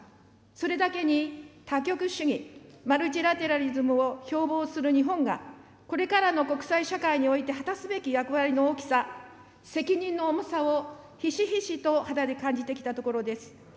それだけに多極主義、マルチ・ラテラリズムを標ぼうする日本が、これからの国際社会において果たすべき役割の大きさ、責任の重さをひしひしと肌で感じてきたところです。